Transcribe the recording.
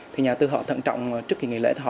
trong trước kỳ nghỉ lễ